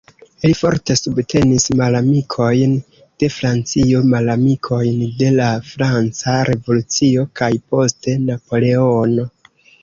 Li forte subtenis malamikojn de Francio, malamikojn de la franca revolucio kaj poste Napoleono.